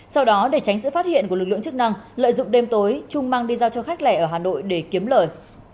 sau đó để tránh sự phát hiện của lực lượng chức năng lợi dụng đêm tối trung mang đi giao cho khách lẻ ở hà nội để kiếm lời